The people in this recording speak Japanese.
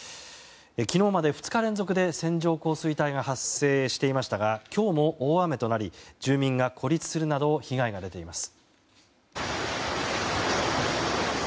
昨日まで２日連続で線状降水帯が発生していましたが今日も大雨となり住民が孤立するなど被害が出ています。